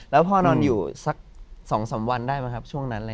แล้วพ่อนอนอยู่สัก๒๓วันได้ไหมครับช่วงนั้น